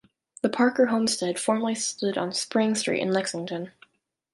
The Parker homestead formerly stood on Spring Street in Lexington.